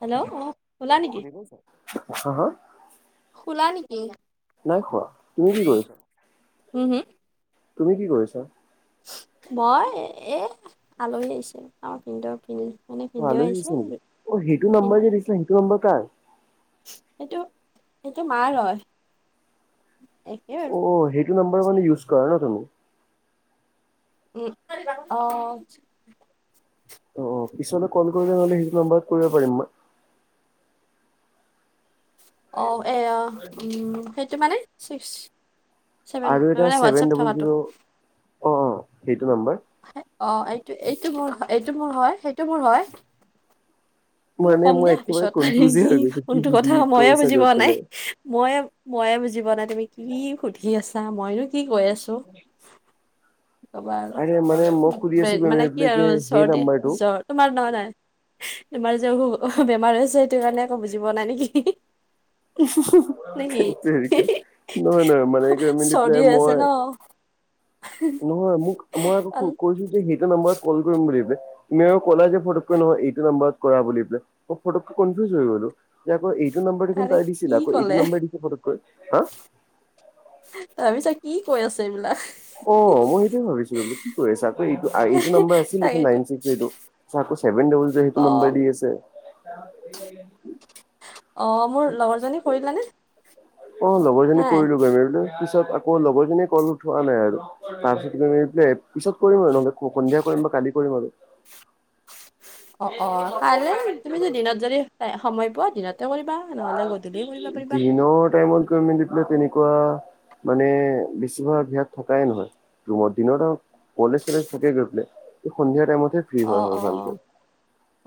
Hello অ শুলা নেকি? শুনি পাইছা হাঁ হাঁ শুলা নেকি? নাই খোৱা তুমি কি কৰিছা? উম, হুম তুমি কি কৰিছা? মই এ আলহী আহিছে আমাৰ ভিনদেউ ভিনী আলহি আহিছে নেকি? অ সেইটো নাম্বাৰ যে দিছিলা সেইটো নাম্বাৰ কাৰ? সেইটো সেইটো মাৰ হয় একে আৰু। অ সেইটো নাম্বাৰ মানে ইউজ কৰা ন তুমি? উম [unintelligible] অ। অ পিছলে কল কৰিলে নহ'লে সেইটো নাম্বাৰত কৰিব পাৰিম মই? অ এয়া উম সেইটো মানে ছিক্স ছেভেন মানে হোৱাটছআপ থকাটো? অঁ অঁ সেইটো নাম্বাৰ। অ এইটো এইটো মোৰ এইটো মোৰ হয় সেইটো মোৰ হয়। মানে কম মই দিয়া একেবাৰে পিছত ত কনফিউজে কি হৈ গৈছো কি কোনটো বুজি কথা মইয়ে কৈছা বুজি গৈ পোৱা নাই, পেলাই। মইয়ে মইয়ে বুজি পোৱা নাই তুমি কি সুধি আছা, মইনো কি কৈ আছো। কবা আৰে মানে মই সুধি আছো আৰু গৈ মানে কি পেলাই আৰু যে সেই চৰ্দি নাম্বাৰটো জ্বৰ। তোমাৰ ন নাই [inaudible] তোমাৰ যে অ বেমাৰ হৈছে সেইটো কাৰণে একো বুজি পোৱা নাই নেকি? [unintelligible] নেকি ঠেট তেৰীকা! নহয় নহয় মানে মানে [unintelligible] দি চৰ্দি পেলাই হৈ আছে মই ন নহয় মোক মই আকৌ আল- কৈছো কি সেইটো নাম্বাৰত কল কৰিম বুলি তুমি আৰু কলা যে ফটককৈ নহয় এইটো নাম্বাৰত কৰা বুলি পেলাই, মই ফতককে কনফিউজ হৈ গলো। যে আকৌ এইটো নাম্বাৰ দেখোন আৰে তাই কি দিছিল, আকৌ ক'লে এইটো নাম্বাৰ দিছে পটককৈ। হা? ভাবিছা কি কৈ আছে এইবিলাক। অ মই সেইটোৱে ভাবিছো বোলে কি কৈ আছা? আকৌ এইটো এইটো নাম্বাৰ আছিল দেখোন তাকেইতো নাইন ছিক্স এইটো। আকৌ ছেভেন ডবল জিৰ সেইটো অ নাম্বাৰ দি আছে। [inaudible] অ মোৰ লগৰজনী কৰি দিলা নে? অ লগৰজনীক কৰিলো গৈ, মই বোলো পিছত আকৌ লগৰজনীয়ে কল উঠোৱা নাই আৰু। তাৰপিছত [unintelligible] পিছত কৰিম আৰু নহ'লে সন্ধিয়া কৰিম বা কালি কৰিম আৰু। অ অ কাইলৈ তুমি যদি দিনত যদি সময় পোৱা দিনতে কৰিবা। নহ'লে গধূলি কৰিব [inaudible] পাৰিবা দিনৰ টাইমত গৈ মেলি পেলাই তেনেকুৱা মানে বেছিভাগ ইয়াত থকাই নহয়। ৰুমত দিনত আও কলেজ চলেজ থাকে গৈ পেলাই সন্ধিয়া টাইমতহে ফ্ৰী অ হোৱা হয় অ ভালকে,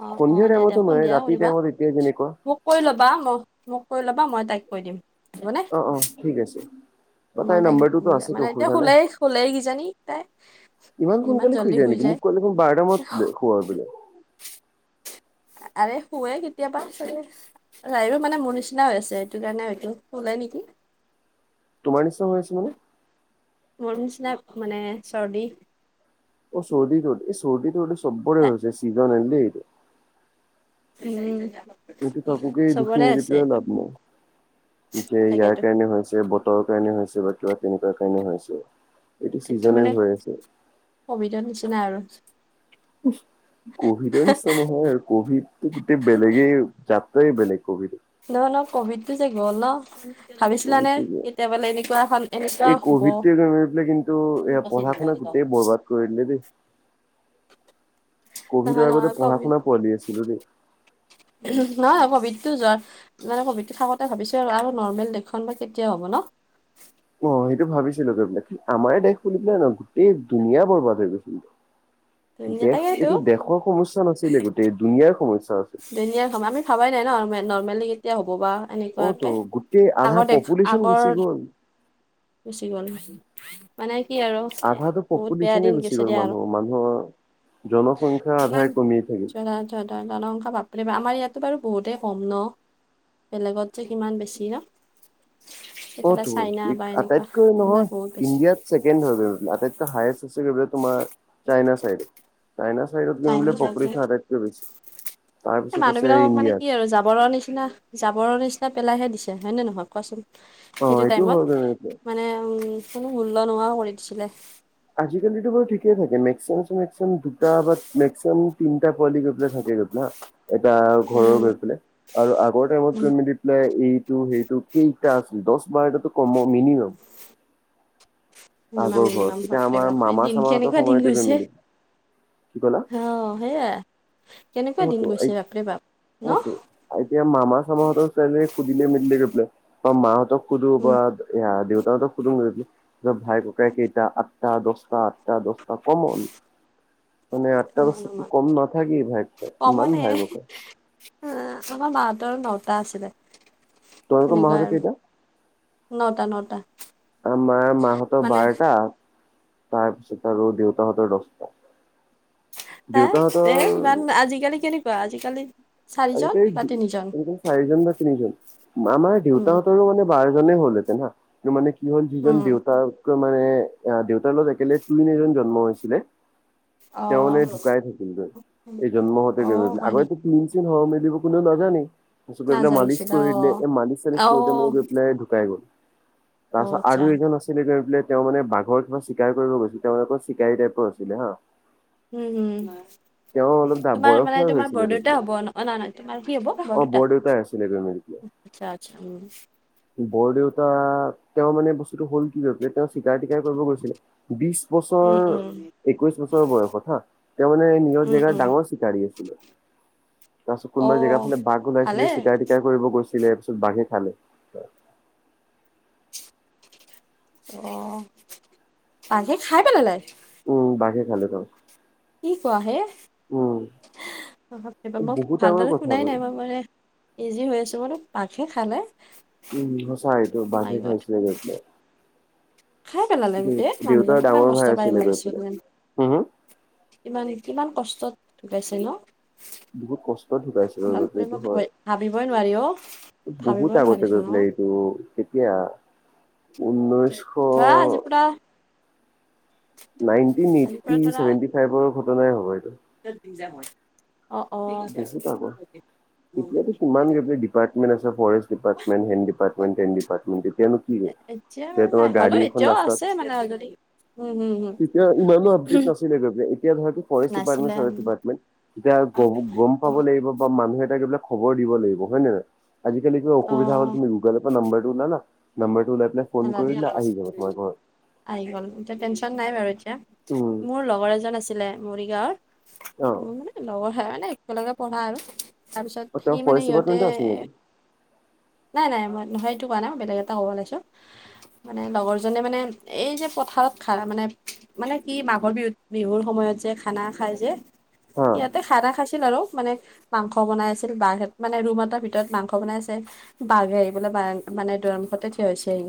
অ অ সন্ধিয়া দিয়া দিয়া টাইমতো নহয় সন্ধিয়া ৰাতিৰ কৰিবা টাইমত এতিয় যেনেকুৱা। মোক কৈ ল'বা মই মোক কৈ ল'বা, মই তাইক কৈ দিম। হ'বনে অঁ অঁ ঠিক আছে। বা মই তাইৰ তাইক নাম্বাৰটোতো [inaudible] আছেতো মানে এতিয়া অসুবিধা নাই শুলেই শুলেই কিজানি তাই? ইমান জল্দি শুই যায়। কয় দেখোন বাৰটা মানত শুলে, শুৱে বোলে? আৰে শুৱে কেতিয়াবা চাগে। ৰাইৰো মানে মোৰ নিচিনা হৈ আছে, এইটো কাৰণে হয়টো শুলে নেকি? তোমাৰ নিচিনা হৈ আছে মানে? মোৰ নিচিনা মানে চৰ্দি। অ চৰ্দি তৰ্দি, এই চৰ্দিটো সবৰে হৈ তাই গৈছে চিজন আহিল দেই এইটো। উম উম্। এইটো কাকোকেই দুখী নিদি পেলাই লাভ নাই, যে ইয়াৰ তাকেতো কাৰণে হৈছে বত তৰ কাৰণে হৈছে বা কিবা তেনেকুৱা কাৰণে হৈছে। এইটো চিজনেল মানে হৈ আছে কভিদৰ নিচিনা আৰু। কভিদৰ নিচিনা নহয় আৰু। ক'ভিডটো গোটেই বেলেগেই, জাতটোৱেই বেলেগ ক'ভিডটো। [unintelligible] কভিডটো যে গ'ল ন'। ভাবিছিলানে, কেতিয়বা এনেকুৱা এখন, এই এনেকুৱাও হ'ব? কভিডটোৱে গৈ পেলাই কিন্তু এয়া পঢ়া শুনা গোটেই বৰবাত কৰি দিলে দেই। নহয় কভিডৰ আগতে, নহয় কভিড পঢ়া-শুনা কৰি আছিলোঁ, দেই। [unintelligible] নহয় কভিডটো [unintelligible] মানে, কভিটো থাকোঁতে ভাবিছে আৰু, আৰু নৰ্মেল দেশখন বা কেতিয়াও হ'ব ন'! অ'! সেইটো ভাবিছিলোঁ! গৈ পেলাই, আমাৰে দেশ বুলি পেলাই ন' গোটেই দুনীয়া বৰবাদ হৈ গৈছিল! দেশ, তাকেইতো এইটো দেশৰ সমস্যা নাছিলে গোটেই, দুুনীয়াৰ সমস্যা আছিল। [unintelligible] আমি খাবাই নাই ন' নৰ্মেলি কেতিয়া হ'ব বা! অ তো এনেকুৱাতে, গোটেই আধা আগতে? পপুলেশ্যন গুচি আগৰ। গ'ল গুচি গ'ল [unintelligible] মানে কি আৰু আধাটোো বহুত বেয়া পপুলেশ্যনে দিন গুচি গৈছে গ'ল দিয়া আৰু মানুহ মানুহৰ জনসংখ্যা আধায় কমিয়েই থাকিল। [unintelligible] বাপৰে বা! আমাৰ ইয়াততো বাৰু বহুতে কম ন'? বেলেগত যে কিমান বেছি ন'? এইফালে অ'তো! চাইনা কি? বা এনেকুৱা আটাইতকৈ সেইবিলাক নহয়, বহুত বেছি ইণ্ডিয়াত ছেকেণ্ড [unintelligible] আটাইতকৈ হাইএষ্ট [unintelligible] তোমাৰ, চাইনা চাইডে। চাইনা চাইডত চাইনা [unintelligible] পপুলেচন আটাইতকৈ বেছি। এ, তাৰপিছত আছে মানুহবিলাকক মানে, ইণ্ডিয়াত কি আৰু জাবৰৰ নিচিনা, জাবৰ নিচিনা পেলাইহে দিছে, হয়নে নহয় কোৱাচোন? অ সেইটো এইটো হয় টাইমত। মানে, কোনো মূল্য নোহোৱা কৰি দিছিলে। আজিকালিটো বাৰু ঠিকেই থাকে, [unintelligible] দুটা বা [unintelligible] তিনটা পোৱালি গৈ পেলাই থাকেগৈ। ধৰ, এটা ঘৰৰ উম গৈ পেলাই। আৰু আগৰ টাইমত উম গৈ মেলি [unintelligible] এইটো-সেইটো কেইটা আছিল! দহ-বাৰ টাতো কম, মিনিমাম। আগৰ ঘৰত মিনিমাম-মিনিমাম। এতিয়া, আমাৰ মামা-চামা হঁতৰ সময়তে গৈ মেলি। কি ক'লা? অ'! সেয়াই। অ কেনেকুৱা দিন তো গৈছে বাপৰে বাপ! ন'? অতো এতিয়া, মামা-চামা হঁতৰ চেলেৰী সুধিলে-মেলিলে গৈ পেলাই, বা মাহঁতক সুধো উম বা এইয়া, দেউহঁতক সুধো, ভাই-ককাই কেইটা? আঠটা-দহটা, আঠটা-দহ কমন! মানে, কমা আঠটা নমান কম নাথাকে ভাই। ককাই ইমান কমনে! ভাই ককাই আমাৰ, মাহঁতৰ নটা আছিলে। তোমালোকৰ সেনেকুৱা মাহঁতৰ কেইটা আৰু নটা-নটা। আমাৰ মাহঁতৰ বাৰটা, তাৰপিছত আৰু দেউতাহঁতৰ দহটা। হা! এ, ইমান, আজিকালি কেনেকুৱা? আজিকালি চাৰিজন আজিকালি, বা তিনিজন চাৰিজন বা তিনিজন। আমাৰ উম দেউতাহঁতৰো মানে, বাৰজনেই হ'ল হেতেন হা! কিন্তু মানে, কি হ'ল, উম যিজন দেউতা মানে, দেউতাৰ লগত একেলগ, টুইন এজন জন্ম হৈছিলে। অ তেওঁ মানে, ঢুকাই থাকিল গৈ, এই জন্ম হওঁতে অ [unintelligible] হয় আগতেতো নেকি [unintelligible] চ' গৈ পেলাই মালিচ নাজানিছিলা কৰি অ দিলে। এই, মালিচ- চালিচ অ কৰি গৈ পেলাই ঢুকাই গ'ল। অ তাৰপিছত আচ্ছা আৰু এজন আছে। [unintelligible] তেওঁ মানে, বাঘৰ কিবা চিকাৰ কৰিব গৈছিল, তেওঁলোকৰ চিকাৰী টাইপৰ আছিলে, হা। উম, হোঁ! তেওঁ অলপ হয়। তোমাৰ মানে, বয়সীয়াল তোমাৰ হৈছিলে গৈ বৰদেউতা পেলাই হ'ব ন'? অ'! নহয়, নহয়, তোমাৰ কি হ'ব, অ' বৰদেউতা? বৰ দেউতাই আছিলে গৈ মেলি পেলাই আচ্ছা, আচ্ছা, উম। বৰদেউতা, তেওঁৰ মানে, বস্তুটো হ'ল কি! [unintelligible] তেওঁ চিকাৰ-টিকাৰ কৰিব গৈছিলে। বিছ বছৰ উম উম একৈশ বছৰ বয়সত হা তেতিয়া মানে নিজৰ উম জেগাৰ উম ডাঙৰ চিকাৰী আছিলে। তাৰপিছত অ কোনবা জেগা ফালে বাঘ ওলাইছিলে ভালে চিকাই-টিকাৰ কৰিব গৈছিলে তাৰ পিছত বাঘে খালে। অ বাঘে খাই পেলালে? উম বাঘে খালে কি কোৱা হে? উম বাপ ৰে বাপ মই বহুত ডাঙৰ ভালদৰে কথা শুনাই বাৰু নাই, মই মানে বিজি হৈ আছো মানে বাঘে খালে? উম সঁচা এইটো মাই বাঘে গড খাইছিলে খাই পেলালে দেউ গোটেই? মানুহজন দেউতাৰ কিমান ডাঙৰ কষ্ট ভাই পায় আছিলে গৈ মৰিছে পেলাই কিজান। হম হম ইমান কিমান কষ্টত ঢুকাইছে ন? বহুত কষ্ট ঢুকাইছিল [unintelligible] বাপৰে এইটো মই হয়। ভয় ভাবিবই নোৱাৰি অ বহুত ভাবিবই আগতে নোৱাৰিচোন অ গৈছিলে এই ত কেতিয়া ঊনৈছশ ধৰা আজিৰ পৰা নাইনটিন আজিৰ এইটি পৰা ধৰা ছেভেটি ফাইভৰ ঘটনাই হ'ব এইটো। [unintelligible] [unintelligible] এতিতো কিমান যদি ডিপাৰটেণ্ট আছে ফৰেষ্ট ডিপাৰ্টমেণ্ট, হেনড ডিপাৰ্টমেণ্ট, তেন ডিপাৰটেণ তেতিনো কি এতিয়া তেতিয়া বাৰু তোমাৰ নাই, গাড়ী হ'লেও এখন এতিয়াও ৰাস্তাত আছে মানে অ যদি তেতিয়া ইমানো অপডেট নাছি নাছিলে যদি। এতিয়া ধৰা ফৰেষ্ট ডিপৰ্মেন্ত নাছিলে চৰেচ উম, ডিপৰ্মেন্ত এতিয়া আৰু গ গম পাব [unintelligible] খবৰ দিব লাগিব হয় নে নাই? আজিকালি কিবা অ অসুবিধা হ'ল তুমি গগলৰ পৰা নাম্বাৰটো উলালা, নম্বৰটো উলাই পেলাই ফোন কৰিলা আহি যাব তোমাৰ ঘৰত। আহি গ'ল এতিয়া টেনশচন নাই বাৰু এতিয়া। উম মোৰ লগৰ এজন আছিলে মৰিগাঁৱৰ মোৰ মানে লগৰ হয় মানে একেলগে পঢ়া আৰু। তাৰ অ পিছত তেওঁ সি মানে ফৰেষ্ট সিহঁতে ডিপাৰ্টমেণ্টৰ আছিল নেকি এ নাই নাই মই নহয় এইটো কোৱা নাই, বেলেগ এটা কব লাইছো। মানে লগৰজনে মানে এই যে পথাৰত খাৰ মানে মানে কি মাঘৰ বিহু বিহুৰ সময়ত যে খানা খাই যে হা ইয়াতে খানা খাইছিল আৰু মানে মাংস বনাই আছিল, বাঘ মানে ৰুম এটাৰ ভিতৰত মাংস বনাই আছে বাঘ আহি বোলে বা মানে দৰ্মুখতে থিও হৈছেহি।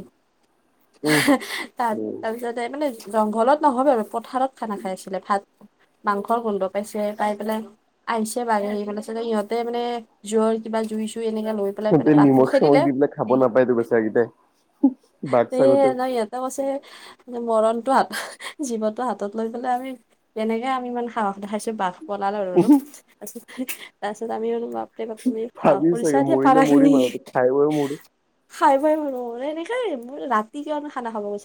উম উম তাৰপিছতে মানে জংঘলত নহয় আৰু পথাৰত খানা খাই আছিলে। ভাত মাংসৰ গোন্ধ পাইছে পাই পেলাই আহিছে বাৰু সেই [unintelligible] সিহঁতে মানে জুইৰ কিবা জুই-চুই এনেকে লৈ পেলাই সিহঁতে পেলাই বাঘটো নিমখ-চিমখ খেদিলে দি পাই খাব নাপায় তো বেছেগেইটাই। বাঘ তে চাগতো সিহঁতে কৈছে মৰণটো হাত, জীৱনটো হাতত লৈ পেলাই আমি তেনেকে আমি ইমান সাহস দেখাইছো বাঘ পলালো আৰু তাৰ তাৰপিছত আমি কেতিয়াবা তুমি সাহস ভাবি কৰিছা চাগে দিয়া মৰিলে পাৰাখিনি মৰিম আৰু খাই বৈ মোৰ খাই বই মানো এনেকে মোৰ ৰাতি কিয় খানা খাব গৈ?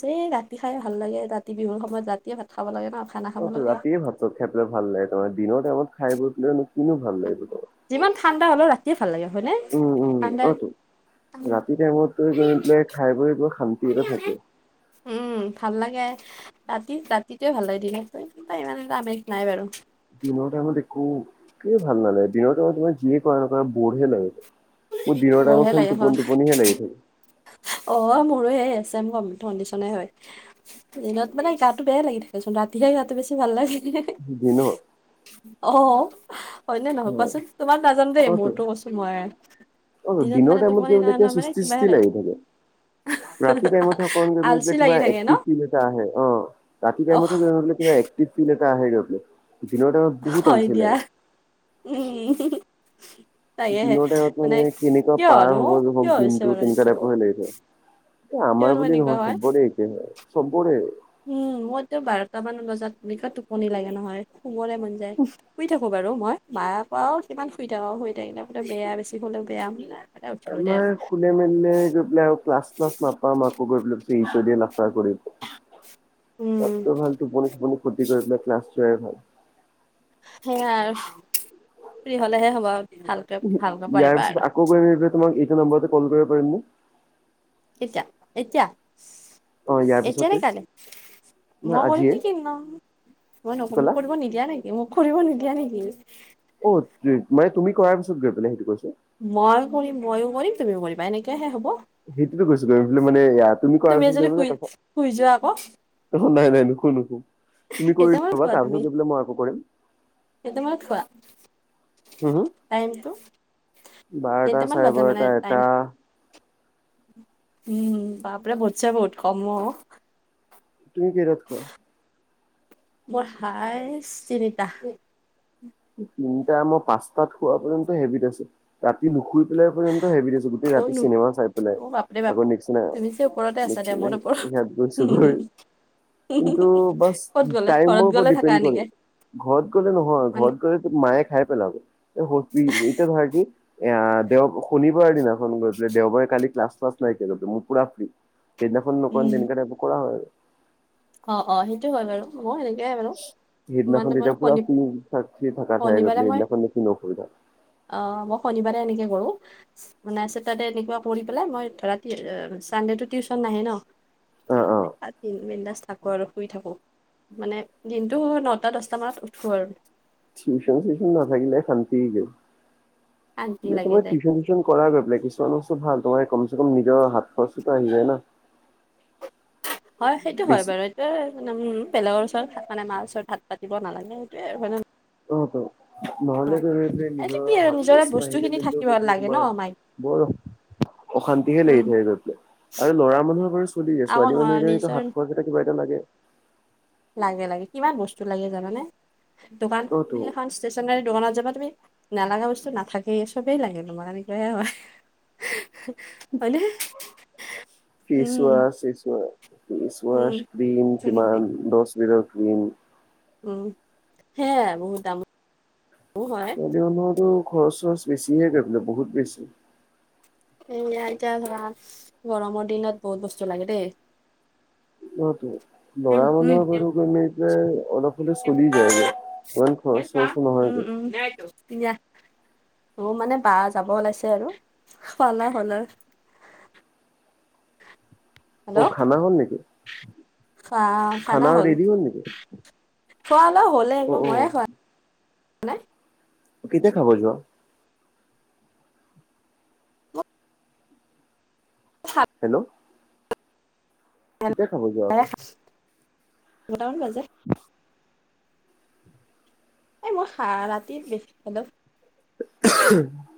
ছে ৰাতি খাই ভাল লাগে, ৰাতি বিহুৰ সময়ত ৰাতিয়ে ভাত খাব লাগে ন। খানা খাব অ লাগে ৰাতিয়ে ভাত-চাত খাই পেলাই ভাল লাগে তাৰমানে দিনৰ টাইমত খাই বৈ পিনে কিনো ভাল লাগিব তাৰ। যিমান ঠাণ্ডা হ'লেও ৰাতিয়ে ভাল লাগে হয়নে? উম উম ঠাণ্ডা অ তো ৰাতি টাইমত গৈ পেলাই খাই বৈ বৰ শান্তি এটা থাকে। উম ভাল লাগে ৰাতি ৰাতিটয়ে ভাল লাগে দ ইমান এটা আমেষ নাই বাৰু। দিনৰ টাইমত একো একেই ভাল নালাগে দিনৰ টাইমত তোমাৰ যিয়ে কৰা নকৰা বৰহে লাগে মোৰ দিনৰ বৰহে টাইমত চুন লাগে হয়। টোপন টোপনি হে লাগি থাকে। অ মোৰো সেই আছে কম ধণ্ডিশনে হয়। দিনত মানে গাটো বেয়া লাগি থাকেচোন ৰাতিহে গাটো বেছি ভাল লাগে। দিনত অ। হয়নেে অ নহ'বাচোন তোমাক নাজান দেই অ তো মোৰতো কৈছো মই। অ দিনত দিনৰ মানে টাইমত টোপনি ক নহয় ক নহয় মানে চুস্তি কিবাহে চুস্তি লাগে লাগি থাকে। ৰাতি টাইমত থ আলচি লাগি কিবা থাকে ন। এক্টিটা আহে অ। ৰাতি অ', টাইমতেবা ফিল এটা আহে দিন বহুত হয় আলচি দিয়া লাগে। উম। দিনৰ টাইপত মানে কেনেকুৱা পাৰ কিয়নো হ'ব কিয় হওক হৈছে দমটো বাৰু তেনেকুৱা এইটো টাইপৰ হৈ লাগিছে। আমাৰ কিয়নো বুলি এনেকুৱা নহয় হয়। সবৰে এয়া হয় চবৰে। উম মইত বাৰটাামান বজাত এনেকুৱা টোপনি লাগে নহয়। শুবলে মন যায় শুই থাকো বাৰু মই। মাৰ পৰাও কিমান শুই থাকক আৰু হৈ থাকিল ত আে বেয়া বেছি হ'লে বেয়া হ নাই। আমাৰ খোনে মেলে গৈ পেলাই আৰু ক্লা চ্লা নাপাম আকৌ গৈ পেলাই ইচ লাফা কৰিম। উম, তাতকৈ ভাল টোপনি চপনি ফৰ্তি কৰি পেলাই ক্লাছ ভাল। সেয়া আৰু ফ্ৰী হলেহে হ'ব আৰু ভালকে ভালকৈ পাৰিবা আৰু। কৰিব তোমাক এইটো নম্বাৰতে কল কৰিব পাৰিম নে? কেতিয়া এতিয়া অ ইয়াৰ এতি ন পিছতে কাইলে? নহয় মই কৰিম আজিয়ে নে কিি ন মই কি নক মোক ক'লা? কৰিব নিদিয়া নাইকি? মোক কৰিব নিদিয়া নেকি? অ মানে তুমি কৰাৰ পিছত গৈ পেলাই সেইটো কৈছো। ময়ো কৰিম ময়ো কৰিম তুমিও কৰিবা এনেকেহে হ'ব। সেইটোতো কৈছো গৈম বোে মানে তুমি কৰা পিছত যদি গৈ শুই তাৰছত শুই যোৱা আকৌ, ন নাই নাই নুখো নুখো তুমি কেইটামানত কৰিলোৱাবা তাৰ পিছত গৈ পেলাই মই আকৌ কৰিম। স তোমই খোৱা। হম হম বাৰটা কেইটামান চাৰে বজা মানে বাৰটা টাইম। এটা উম বাপৰে বছে বহুত কম। তুমি কেইটাত শুৱা? মই হাইছ তিনিটা। তিনিটা মই পাঁচটাত খোৱা পৰ্যন্ত হেভিত আছে ৰাতি নুশুই পেলাই পৰ্যন্ত হেভিিত আছে। ৰাতি অনো চিনেমা চাই পেলাই অ বাপৰে বাপ আকৌ নিকচনা তুমি যে ওপৰতে আছা দিয়া মোৰ ওপৰত সহাত গৈ চুবৈ। কিন্তু বা ক'ত গ'লে ঘৰত টাইমৰ গ'লে ওপৰত থাকা ডিপেড কৰে এনেকে ঘৰত গলে নহয় মানে ঘ মায়ে খাই পেলাব এইটো ধৰ কি? এ দেও শনিবাৰৰ দিনাখন গৈ পেলাই দেওবাৰে কালি ক্লাছ চ্লাছ নাইকিয়া গ প মোৰ পুৰা ফ্ৰী। সেইদিনাখন উম নকৰি তেনেক একোৰ কৰা হয় আৰু। অ অ সেইটো হয়ল আৰুাৰ মই সেনেকয়ে বাৰু। সেইদিনাখন মানে মানে তেতিয়া পুৰা শনি আুনি চাকি থকা থাই শনিবাৰে গছিলে মই হেইদিনাখন নি অসুবিধা। অ মই শনিবাৰে এনেকে কৰো। মানাই আছে তাতে এনেকুৱা কৰি পেলাই মই ধৰা চানডে টো টিউচন নাহে ন। অ' অ' অজি বিন্দাছ। থাকো আৰু শুই থাকো মানে দিনটো নটা দছটা মানত উঠো আৰু। টিউশন চিউচন নাথাকিলে শান্তি যায় শান্তি কিন্তু লাগি তোমাৰ যায় টিউশন এক্টিং কৰা গৈ পেলাই কিছুমান বস্তু ভাল তোমাৰ এই কমচে কম নিজৰ হাত খৰচটোতো আহি যায় ন [unintelligible] হয় সেইটো হয় বেছি বাৰু এইটোয়ে মানে উম বেলেগৰ ওচৰত মানে মাৰ ওচৰত হাত পাতিব নালাগে সেইটোয়ে আৰু হয় নে ন অ ত নহলেতো নিজে এইটো নিজৰ কি আৰু হাত নিজৰে খৰছ নহিলে বস্তুখিনি মানে থাকিব গৈ পেলাই লাগে ন তোমাৰ মাইক বৰ অশান্তিহে উম লাগি থাকে গৈ পেলাই আৰু ল'ৰা মানুহৰ বাৰু চলি যোয় আকৌ ছোৱালী মানুহ নহয় এজনীতো নিজৰ হাত খৰচ কিবা এটা লাগে লাগে লাগে কিমান বস্তু লাগে জানানে দোকান ততো এখন ষ্টেচনাৰী দোকানত যাবা তুমি নালাগা বস্তু নাথাকেই চবেই লাগে তোমাৰ এনেকোৱায়ে হয় উ হয়নে উম ফেচৱাচ চিচোৱাচ উম ফেচৱাচ ক্ৰীম কিমান দহ লিটাৰ ক্ৰীম উম হেয়াই আৰু বহুত দামো হয় ছোৱালী মানুহৰতো খৰচ চৰচ বেছিহে গৈ বোলে বহুত বেছি এয়া এতিয়া ধৰা গৰমৰ দিনত বহুত বস্তু লাগে দেই অ ত উম লৰা মানুহৰ উম বাৰু তেনেকে অলপ হলেও চলি যায়গে সিমান খৰচ চৰচো নহয়গৈ উ দেটো য়া মোৰ মানে বা যাব ওলাইছে আৰু খালা হলা অ খানা হল নেকি খোৱা খানা হ'ল খোৱা অলপ হ'লে অ' আকৌ ময়ে খোৱা অ' নাই কেতিয়া খাব যোৱা [unintelligible] হেল্ল' কেতিয়া খাব যোৱা দুটা মান বাজে [unintelligible] এই মোৰ ৰাতিত বেছি খালেও উমহ